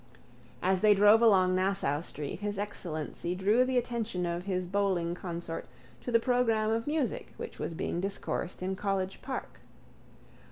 As they drove along Nassau street His Excellency drew the attention of his bowing consort to the programme of music which was being discoursed in College park.